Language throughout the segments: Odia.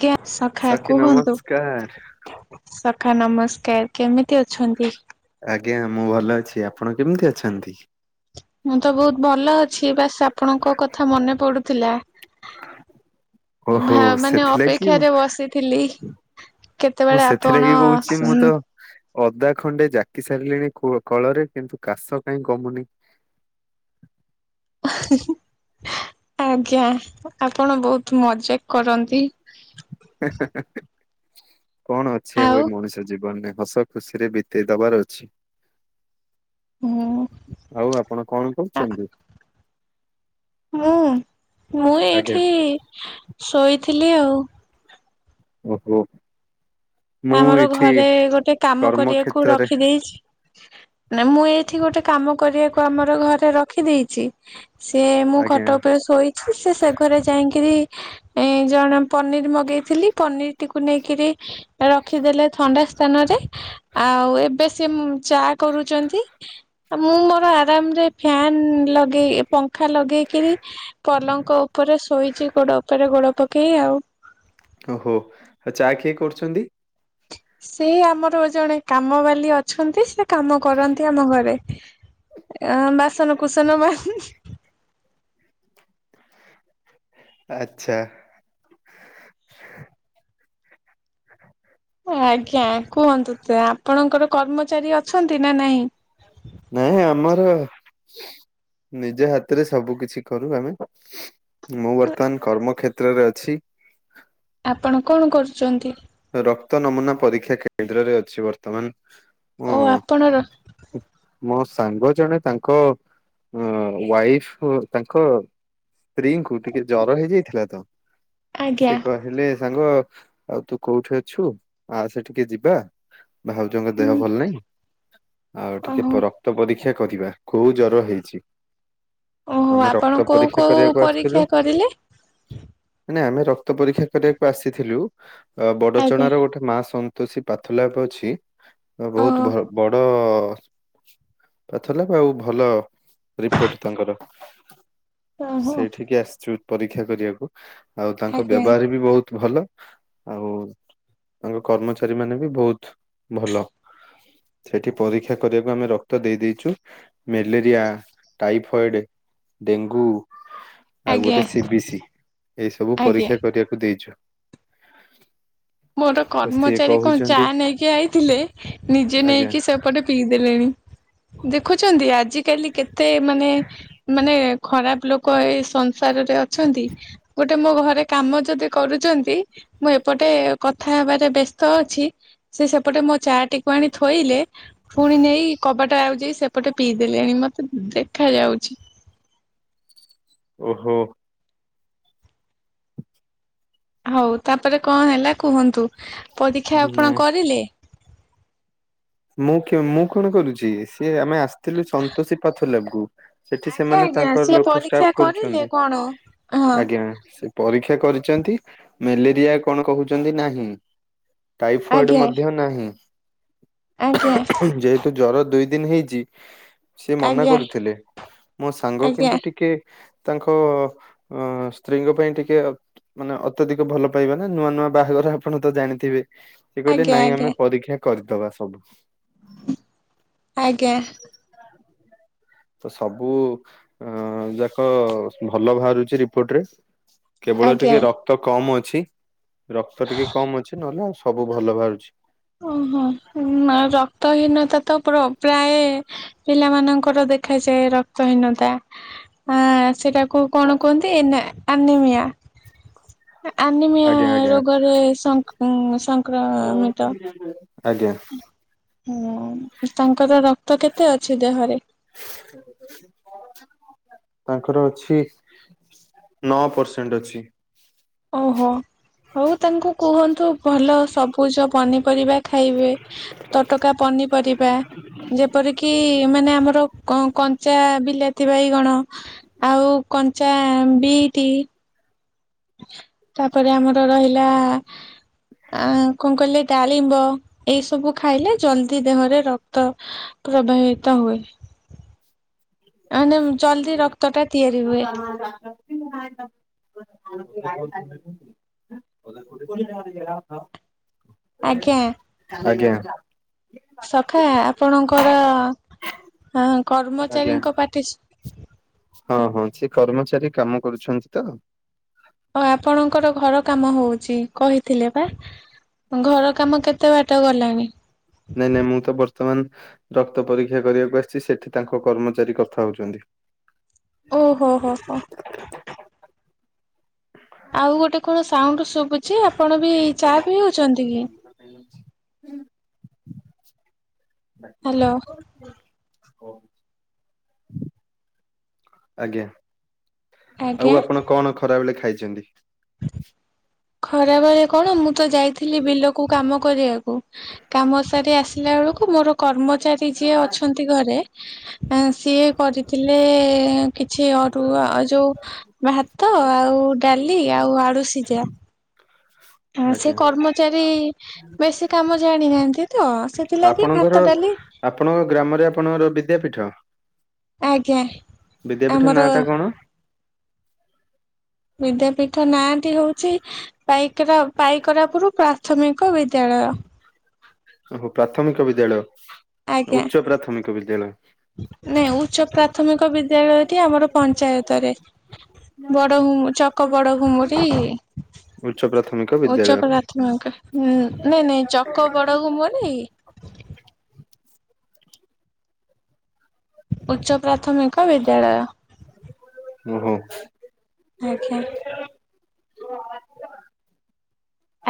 [unintelligible] ସଖା ସାକ୍ଷୀ କୁହନ୍ତୁ। ନମସ୍କାର ସଖା ନମସ୍କାର କେମିତି ଅଛନ୍ତି? ଆଜ୍ଞା ମୁଁ ଭଲ ଅଛି, ଆପଣ କେମିତି ଅଛନ୍ତି? ମୁଁ ତ ବହୁତ ଭଲ ଅଛି, ବାସ୍ ଆପଣଙ୍କ କଥା ମନେ ପଡୁଥିଲା। ଓହୋ ଭା ମାନେ ସେଥିଲାଗି ଅପେକ୍ଷାରେ ବସିଥିଲି। ମୁଁ କେତେବେଳେ ସେଥିଲାଗି ଆପଣ କହୁଛି ମୁଁ ସୁଉଁ ତ ଅଦା ଖଣ୍ଡେ ଜାକି ସାରିଲେଣି କୁ-କଳରେ କିନ୍ତୁ କାଶ କାହିଁ କମୁନି? ଆଜ୍ଞା ଆପଣ ବହୁତ ମଜା କରନ୍ତି। କଣ ଅଛି ଆଉ ଏ ମଣିଷ ଜୀବନରେ ହସ ଖୁସି ରେ ବିତେଇ ଦବାର ଅଛି। [unintelligible] ଆଉ ଆପଣ କଣ ଆ କହୁଛନ୍ତି? ମୁଁ, ମୁଁ ଆଜ୍ଞା ଏଇଠି ଶୋଇଥିଲି ଆଉ। ଓହୋ। ମୁଁ ଆମର ଏଇଠି ଘରେ ଗୋଟେ କାମ କର୍ମ କରିବାକୁ କ୍ଷେତ୍ରରେ ରଖି ଦେଇଛି। ନା ମୁଁ ଏଇଠି ଗୋଟେ କାମ କରିବାକୁ ଆମର ଘରେ ରଖିଦେଇଛି। ସିଏ ମୁଁ ଆଜ୍ଞା ଖଟ ଉପରେ ଶୋଇଛି ସେ ସେ ଘରେ ଯାଇଁକିରି ଏ ଜଣ ପନିର୍ ମଗେଇଥିଲି, ପନିର୍ ଟିକୁ ନେଇକିରି ରଖିଦେଲେ ଥଣ୍ଡା ସ୍ଥାନରେ। ଆଉ ଏବେ ସେ ଉଁ, ଚା କରୁଚନ୍ତି। ଆ, ମୁଁ ମୋର ଆରାମରେ ଫ୍ୟାନ୍ ଲଗେଇ, ପଙ୍ଖା ଲଗେଇକିରି ପଲଙ୍କ ଉପରେ ଶୋଇଛି ଗୋଡ ଉପରେ ଗୋଡ ପକେଇ ଆଉ। ଓହୋ, ଆଉ ଚା କିଏ କରୁଛନ୍ତି? ସେ ଆମର ଜଣେ କାମ ବାଲି ଅଛନ୍ତି, ସେ କାମ କରନ୍ତି ଆମ ଘରେ। ଅ, ବାସନ କୁସନ ମା ଆଚ୍ଛା। ଆଜ୍ଞା କୁହନ୍ତୁ ତ ଆପଣଙ୍କର କର୍ମଚାରୀ ଅଛନ୍ତି ନା ନାଇଁ? ନାହି ଆମର ନିଜ ହାତରେ ସବୁ କିଛି କରୁ ଆମେ। ମୁଁ ବର୍ତ୍ତମାନ କର୍ମ କ୍ଷେତ୍ରରେ ଅଛି। ଆପଣ କଣ କରୁଚନ୍ତି? ରକ୍ତ ନମୁନା ପରୀକ୍ଷା କେନ୍ଦ୍ରରେ ଅଛି ବର୍ତ୍ତମାନ। ଓ ମୁଁ ଆପଣ ର ମୋ ସାଙ୍ଗ ଜଣେ ତାଙ୍କ ଅ, ୱାଇଫ ଓ ତାଙ୍କ ସ୍ତ୍ରୀଙ୍କୁ ଟିକେ ଜର ହେଇଯାଇଥିଲା ତ ଆଜ୍ଞା ସେ କହିଲେ ସାଙ୍ଗ ଆଉ ତୁ କୋଉଠି ଅଛୁ ଆ ସେଠିକି ଯିବା। ଭାଉଜଙ୍କ ଦେହ ହୁଁ ଭଲ ନାହିଁ, ଆଉ ଟିକେ ଓହୋ। ପର କ୍ତ ପରୀକ୍ଷା କରିବା କୋଉ ଜର ହେଇଛି। ଓହୋ ଆମେ ଆପଣ ରକ୍ତ କୋଉ ପରୀକ୍ଷା କୋଉ କରିବାକୁ ଆସିଥିଲୁ। ପରୀକ୍ଷା କରିଲେ? ମାନେ ଆମେ ରକ୍ତ ପରୀକ୍ଷା କରିବାକୁ ଆସିଥିଲୁ, ଅ, ଆଜ୍ଞା ବଡ଼ଚଣା ର ଗୋଟେ ମା ସମ୍ ତୋଷୀ ପାଥ ଲ୍ୟାପ୍ ଅଛି ବହୁତ ଓହୋ ଭ-ବଡ ପାଥଲାବ୍ ଆଉ ଭଲ ରିପୋର୍ଟ ତାଙ୍କର। ଓହୋ ସେଇଠିକି ଆସିଛୁ ପରୀକ୍ଷା କରିବାକୁ, ଆଉ ତାଙ୍କ ଆଜ୍ଞା। ବ୍ୟବହାର ବି ବହୁତ ଭଲ। ଆଉ ତାଙ୍କ କର୍ମଚାରୀ ମାନେ ବି ବହୁତ ଭଲ। ସେଠି ପରୀକ୍ଷା କରିବାକୁ ଆମେ ରକ୍ତ ଦେଇ ଦେଇଛୁ। ମ୍ୟାଲେରିଆ ଟାଇଫଏଡ ଡେଙ୍ଗୁ ଆଉ ଆଜ୍ଞା ଗୋଟେ ସି ବିି ସି ଏଇ ସବୁ ଆଜ୍ଞା ପରୀକ୍ଷା କରିବାକୁ ଦେଇଛୁ। ମୋର ତ ସିଏ କର୍ମଚାରୀ କଣ ଚା କହୁଛନ୍ତି ନେଇକି ଆଇଥିଲେ ନିଜେ ଆଜ୍ଞା ନେଇକି ସବ୍ ପଟେ ପିଇଦେଲେଣି ଦେଖୁଛନ୍ତି ଆଜି କାଲି କେତେ ମାନେ ମାନେ ଖରାପ ଲୋକ ଏ ସଂସାରରେ ଅଛନ୍ତି ଗୋଟ ତେ ମୋ ଘରେ କାମ ଯଦି କରୁଛନ୍ତି ମୁଁ ଏପଟେ କଥା ହେବାରେ ବ୍ୟସ୍ତ ଅଛି ସେ ସେପଟେ ମୋ ଚା ଟିକୁ ଆଣି ଥୋଇଲେ ପୁଣି ନେଇ କବାଟା ଆଉ ଯାଇ ସେପଟେ ପିଇ ଦେଲେଣି ମତେ ଦେଖା ଯାଉଛି। ଓହୋ। ହଉ ତାପରେ କଣ ହେଲା କୁହନ୍ତୁ ପରୀକ୍ଷା ଆପଣ ନାଇଁ କରିଲେ? ମୁଁ କେ ମୁଁ କଣ କରୁଛି ସିଏ ଆମେ ଆସିଥିଲୁ ସନ୍ତୋଷୀ ପାଥଲେପ୍ କୁ। ସେଠି ଆଜ୍ଞା ସେମାନେ ଆଜ୍ଞା ତାଙ୍କର ସିଏ ଲୋକ ପରୀକ୍ଷା ଇ୍ସଟାପ୍ କରିଲେ କରୁଛନ୍ତି କଣ ହଁ ଆଜ୍ଞା ସେ ପରୀକ୍ଷା କରିଛନ୍ତି ମ୍ୟାଲେରିଆ କଣ କହୁଛନ୍ତି ନାହିଁ। ଟାଇଫଏଡ଼୍ ଆଜ୍ଞା ମଧ୍ୟ ନାହିଁ। ଆଜ୍ଞା। ଯେହେତୁ ଜ୍ବର ଦୁଇ ଦିନ୍ ହେଇଛି ସେ ମନା ଆଜ୍ଞା କରୁଥିଲେ ମୋ ସାଙ୍ଗ ଆଜ୍ଞା କିନ୍ତୁ ଟିକେ ତାଙ୍କ ଅ ସ୍ତ୍ରୀଙ୍କ ପାଇଁ ଟିକେ ଅପ୍ ମାନେ ଅତ୍ୟଧିକ ଭଲ ପାଇବା ନା ନୂଆ ନୂଆ ବାହାଘର ଆପଣ ତ ଜାଣିଥିବେ। ସେ କହିଲେ ଆଜ୍ଞା ନାଇଁ ଆଜ୍ଞା ଆମେ ପରୀକ୍ଷା କରିଦବା ସବୁ। ଆଜ୍ଞା। ତ ସବୁ ଅ ଯାକ ଭଲ ବାହାରୁଚି ରିପୋର୍ଟ ରେ। କେବଳ ଆଜ୍ଞା ଟିକେ ରକ୍ତ କମ ଅଛି। ରକ୍ତ ଟିକେ କମ ଅଛି ନହେଲେ ଆଉ ସବୁ ଭଲ ବାହାରୁଛି। ଓହୋ ହୁ ମ ରକ୍ତହୀନତା ତ ପ୍ର ପ୍ରାୟ ପିଲାମାନଙ୍କର ଦେଖାଯାଏ ରକ୍ତହୀନତା ଆ ସେଟାକୁ କଣ କୁହନ୍ତି ଏନା ଆନିମିଆ। ଆନିମିଆ ଆଜ୍ଞା ଆଜ୍ଞା ରୋଗରେ ସଂକ ସଂକ୍ରମିତ। ଆଜ୍ଞା। ହୁଁ ତାଙ୍କର ରକ୍ତ କେତେ ଅଛି ଦେହରେ? ହଁ, ତାଙ୍କର ଅଛି ନଅ ପରସେଣ୍ଟ ଅଛି। ଓହୋ। ହଉ ତାଙ୍କୁ କୁହନ୍ତୁ ଭଲ ସବୁଜ ପନିପରିବା ଖାଇବେ। ତଟକା ପନିପରିବା। ଯେପରିକି ମାନେ ଆମର କ କଞ୍ଚା ବିଲା ତି ବାଇଗଣ ଆଉ କଞ୍ଚା ବିଟ। ତାପରେ ଆମର ରହିଲା ଆ କଣ କହିଲେ ଡାଳିମ୍ବ ଏଇ ସବୁ ଖାଇଲେ ଜଲ୍ଦି ଦେହରେ ରକ୍ତ ପ୍ରବାହିତ ହୁଏ‌। ଆନେମ୍ ଜଲଦି ରକ୍ତ ଟା ତିଆରି ହୁଏ। ଆଜ୍ଞା। [unintelligible] [unintelligible] ଆଜ୍ଞା। ସଖା ଆପଣଙ୍କର ହଁ ଆଜ୍ଞା କର୍ମଚାରୀଙ୍କ ପାଟିସ୍ ହଁ ହଁ ସେ କର୍ମଚାରୀ କାମ କରୁଛନ୍ତି ତ ଓ ଆପଣଙ୍କର ଘର କାମ ହଉଛି କହୁଥିଲେ ପା? ଘର କାମ କେତେ କେତେ ବାଟ ଗଲାଣି? ନାଇଁ ନାଇଁ ମୁଁ ତ ବର୍ତ୍ତମାନ ରକ୍ତ ପରୀକ୍ଷା କରିବାକୁ ଆସିଛି ସେଠି ତାଙ୍କ କର୍ମଚାରୀ କଥା ହଉଛନ୍ତି। ଓ ହୋ ହୋ ହୋ। ଆଉ ଗୋଟେ କଣ ସାଉଣ୍ଡ ଶୁଭୁଛି ଆପଣ ବି ଚା ପିଇଉଛନ୍ତି କି? ହ୍ୟାଲୋ ହୁଁ। ଆଜ୍ଞା। ଆଉ ଆଜ୍ଞା ଆପଣ କଣ ଖରାବେଳେ ଖାଇଛନ୍ତି? ଖରାବେଳେ କଣ ମୁଁ ତ ଯାଇଥିଲି ବିଲକୁ କାମ କରିବାକୁ। କାମ ସାରି ଆସିଲା ବେଳକୁ ମୋର କର୍ମଚାରୀ ଯିଏ ଅଛନ୍ତି ଘରେ ଅଁ ସିଏ କରିଥିଲେ କିଛି ଅରୁଆ ଏଯୋଉ ଭାତ ଆଉ ଡାଲି ଆଉ ଆଳୁ ସିଜା। ଆ ସେ ଆଜ୍ଞା କର୍ମଚାରୀ ବେଶୀ କାମ ଜାଣିନାହାନ୍ତି ତ ସେ ସେଥିଲାଗି ଆପଣଙ୍କର ଭାତ ଡାଲି ଆପଣଙ୍କ ଗ୍ରାମରେ ଆପଣଙ୍କର ବିଦ୍ୟାପୀଠ? ଆଜ୍ଞା ବିଦ୍ୟାପୀଠ ଆମର ନାଁ ଟା କଣ? ବିଦ୍ୟାପୀଠ ନାଁଟି ହଉଛି ପାଇକରା ପାଇକରାପୁର ପ୍ରାଥମିକ ବିଦ୍ୟାଳୟ। ଓ ହୋ ପ୍ରାଥମିକ ବିଦ୍ୟାଳୟ ଆଜ୍ଞା। ଉଚ୍ଚ ପ୍ରାଥମିକ ବିଦ୍ୟାଳୟ। ନାଇଁ ଉଚ୍ଚ ପ୍ରାଥମିକ ବିଦ୍ୟାଳୟଟି ଆମର ପଞ୍ଚାୟତରେ। ବଡ ଘୁଂ ଚକ ବଡ ଘୁମୁରି [unintelligible] ପ୍ରାଥମିକ ବିଦ୍ୟାଳୟ। ଉଚ୍ଚ ପ୍ରାଥମିକ ଉଁ ନାଇଁ ନାଇଁ ଚକ ବଡ ଘୁମ ନାଇଂକି ଉଚ୍ଚ ପ୍ରାଥମିକ ବିଦ୍ୟାଳୟ। ହୁଁ ହୁଁ ଆଜ୍ଞା।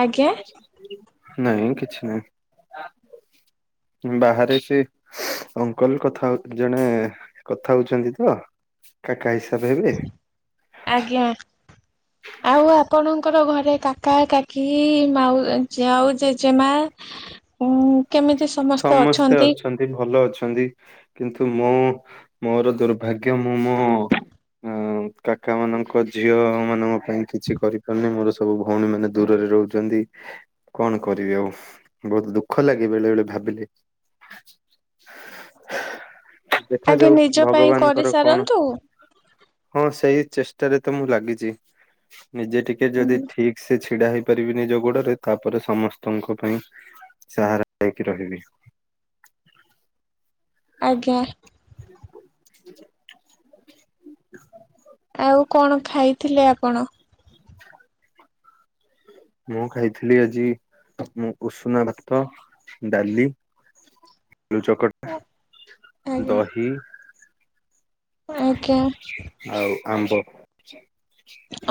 ଆଜ୍ଞା। ନାହିଁ କିଛି ନାଇଁ। ବାହାରେ ସେ ସୁଁ ଅଙ୍କଲ କଥା ହଉଥିଲେ ଜଣେ କଥା ହଉଛନ୍ତି ତ, କା କା ହିସାବ ହେବେ ଆଜ୍ଞା ଆଉ ଆପଣଙ୍କର ଘରେ କାକା କାକି ମାଉ ଜେ ଆଉ ଜେଜେମା ଉଁ ସମସ୍ତେ ଅଛନ୍ତି ଭଲ ଅଛନ୍ତି କିନ୍ତୁ ମୁଁ ମୋର ଦୁର୍ଭାଗ୍ୟ ମୁଁ ମୋ ଉଁ କାକା ମାନଙ୍କ ଝିଅ ମାନ ପାଇଁ କିଛି କରିପାରୁନି ମୋର ସବୁ ଭଉଣୀ ମାନେ ଦୂରରେ ରହୁଛନ୍ତି, କଣ କରିବି ଆଉ। ବହୁତ ଦୁଃଖ ଲାଗେ ବେଳେ ବେଳେ ଭାବିଲେ। ଆଗେ ଦେଖାଯାଉ ନିଜ ପାଇଁ ଭଗବାନଙ୍କର କଣ କରିସାରନ୍ତୁ ହଁ, ସେଇ ଚେଷ୍ଟାରେ ତ ମୁଁ ଲାଗିଛି ନିଜେ ଟିକେ ଯଦି ଠିକ୍ ସେ ଛିଡା ହେଇପାରିବି ନିଜ ଗୋଡରେ ତାପରେ ସମସ୍ତଙ୍କ ପାଇଁ ସାହାରା ହେଇକି ରହିବି। ଆଜ୍ଞା। ଆଉ କଣ ଖାଇଥିଲେ ଆପଣ? ମୁଁ ଖାଇଥିଲି ଆଜି ଉଁ ଉଷୁନା ଭାତ ଡାଲି ଆଳୁଚକଟା ଆଜ୍ଞା ଦହି ଆଜ୍ଞା। ଆଉ ଆମ୍ବ।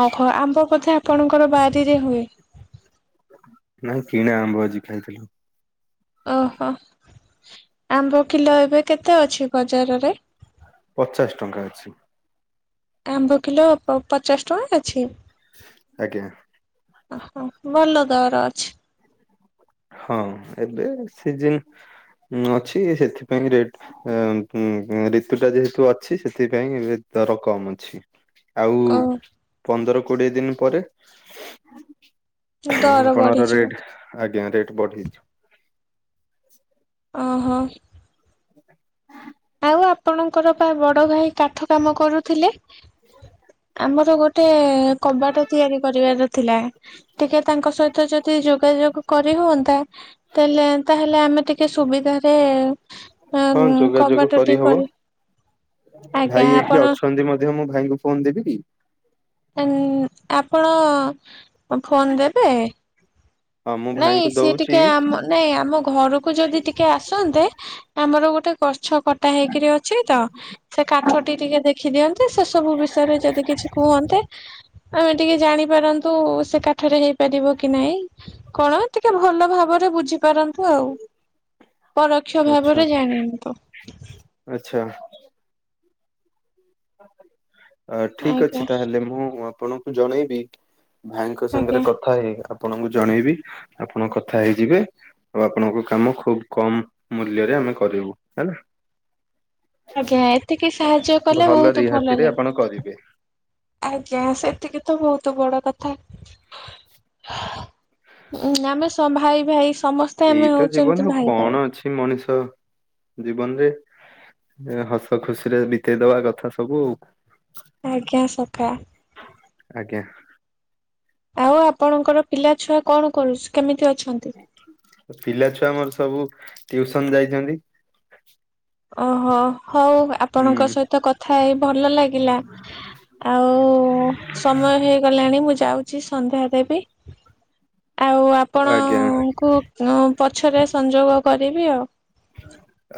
ଓଖ ଆମ୍ବ କଥା ଆପଣଙ୍କର ବାରିରେ ହୁଏ। ନାଇଁ କିଣା ଆମ୍ଭ ଆଜି ଖାଇଥିଲି। ଓହୋ ଆମ୍ବ କିଲୋ ଏବେ କେତେ ଅଛି ବଜାର ରେ? ପଚାଶ ଟଙ୍କା ଅଛି। ଆମ୍ବ କିଲୋ ପ ପଚାଶ ଟଙ୍କା ଅଛି। ଆଜ୍ଞା। ଓହୋ ଭଲ ଦର ଅଛି। ହଁ ଏବେ ସିଜିନ୍ ଅଛି ସେଥିପାଇଁ ରେଟ୍ ଅ ଉଁ ଉଁ ଋତୁ ଟା ଯେହେତୁ ଅଛି ସେଥିପାଇଁ ଦର କମ୍ ଅଛି। ଆଉ ଓ ପନ୍ଦର କୋଡିଏ ଦିନ ପରେ ଦର ଆପଣର ବଢିଯିବ ରେଟ ଆଜ୍ଞା ରେଟ୍ ବଢିଯି ଓହୋ। [inaudible] ଆଉ ଆପଣଙ୍କର ପା ବଡ ଭାଇ କାଠ କାମ କରୁଥିଲେ? ମିଛ କଥା। ଆମର ଗୋଟେ କବାଟ ତିଆରି କରିବାର ଥିଲା। ଟିକେ ତାଙ୍କ ସହିତ ଯ ଦି ଯୋଗାଯୋଗ କରି ହୁଅନ୍ତା ତାହେଲେ ତାହେଲେ ଆମେ ଟିକେ ସୁବିଧାରେ ଅଁ ହଁ ଉଁ ଯୋଗାଯୋଗ କରିହବ। ଆଜ୍ଞା ଭାଇ ଏଇଠି ଆପଣ ଅଛନ୍ତି ମଧ୍ୟ ମୁଁ ଭାଇଙ୍କୁ ଫୋନ ଦେବି କି? ଅନ୍ ଆପଣ ଫୋନ୍ ଦେବେ? ହଁ ମୁଁ ନାଇଁ ଭାଇଙ୍କୁ ସିଏ ଦଉଛି ଟିକେ ଆମ ନାଇଁ ଆମ ଘରକୁ ଯଦି ଟିକେ ଆସନ୍ତେ ଆମର ଗୋଟେ ଗଛ କଟା ହେଇକିରି ଅଛି ତ ସେ କାଠଟି ଟିକେ ଦେଖ୍ ଖି ଦିଅନ୍ତେ ସେ ସବୁ ବିଷୟରେ ଯଦି କିଛି କୁହନ୍ତେ ଆମେ ଟିକେ ଜାଣିପାରନ୍ତୁ ସେ କାଠରେ ହେଇପାରିବ କି ନାଇଁ। କଣ ଟିକେ ଭଲ ଭାବରେ ବୁଝିପାରନ୍ତୁ ଆଉ। ପରୋକ୍ଷ ଭାବରେ ଜାଣିନି ଆଛା। ଅ ଠିକ୍ ଅଛି ଆଜ୍ଞା ତାହେଲେ ମୁଁ ଆପଣଙ୍କୁ ଜଣେଇବି। ଭାଇଙ୍କ ଆଜ୍ଞା। ସାଙ୍ଗରେ କଥା ହେଇ ଆପଣଙ୍କୁ ଜଣେଇବି ଆପଣ କଥା ହେଇଯିବେ। ଆଉ ଆପଣଙ୍କ କାମ ଖୁବ୍ କମ ମୂଲ୍ୟରେ ଆମେ କରିବୁ ହେଲା। ଆଜ୍ଞା ଏତିକି ସାହାଯ୍ୟ କଲେ ଭଲ ବୋହୁତ ଭଲ ରିହାତିରେ ଆପଣ ଲାଗିବ। କରିବେ। ଆଜ୍ଞା ସେତିକି ତ ବୋହୁତ ବଡ କଥା। ଆମେ ସମ୍ ଭାଇ ଭାଇ ସମ ସ୍ତେ ଆମେ ଏଇତ ଜୀବନ ହୋଉଚନ୍ତି ଆଉ ଭାଇ କଣ ଭାଇ। ଅଛି ମଣିଷ ଜୀବନରେ ଅ ହସ ଖୁସି ରେ ବିତେଇ ଦବା କଥା ସବୁ। ଆଜ୍ଞା ସଖା। ଆଜ୍ଞା। ଆଉ ଆପଣଙ୍କର ପିଲା ଛୁଆ କଣ କରୁଛ କେମିତି ଅଛନ୍ତି? ପିଲା ଛୁଆ ମୋର ସବୁ ଟିଉସନ ଯାଇଛନ୍ତି। ଓହୋ ହଉ ଆପଣଙ୍କ ହୁଁ ସହିତ କଥା ହେଇ ଭଲ ଲା ଗିଲା ଆଉ ସମୟ ହେଇଗଲାଣି ମୁଁ ଯାଉଚି ସନ୍ଧ୍ୟା ଦେବି। ଆଉ ଆଜ୍ଞା ଆପଣଙ୍କୁ ପଛରେ ସଂଯୋଗ କରିବି ଆଉ।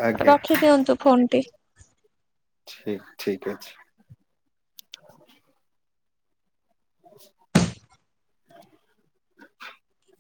ଆଜ୍ଞା। ରଖି ଦିଅନ୍ତୁ ଫୋନ୍ ଟି। ଠିକ୍ ଠିକ୍ ଅଛି। [inaudible]